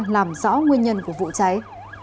làm rõ nguyên nhân của vụ cháy